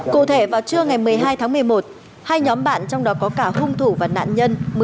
cụ thể vào trưa ngày một mươi hai tháng một mươi một hai nhóm bạn trong đó có cả hung thủ và nạn nhân